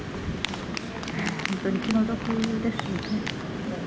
本当に気の毒ですよね。